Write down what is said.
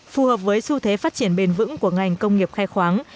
phù hợp với xu thế phát triển bền vững của ngành công nghiệp khai khoáng